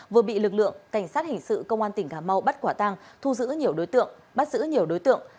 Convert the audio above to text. vừa bị lực lượng cảnh sát hình sự công an tỉnh cà mau bắt quả tăng thu giữ nhiều đối tượng bắt giữ nhiều đối tượng